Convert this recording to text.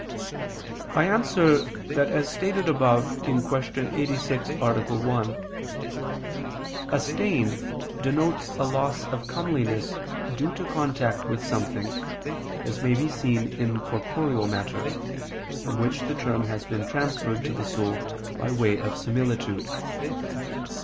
I answer that as stated above (Q. 86, A. 1), a stain denotes a loss of comeliness due to contact with something, as may be seen in corporeal matters, from which the term has been transferred to the soul, by way of similitude.